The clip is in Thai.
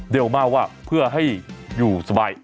มาว่าเพื่อให้อยู่สบาย